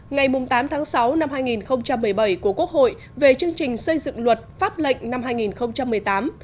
ngày tám tháng sáu năm hai nghìn một mươi bảy của quốc hội về chương trình xây dựng luật pháp lệnh năm hai nghìn một mươi tám